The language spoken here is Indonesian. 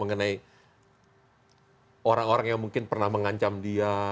ada orang yang mengancam dia